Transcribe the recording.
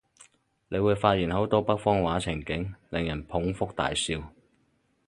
你會發現好多北方話情景，令人捧腹大笑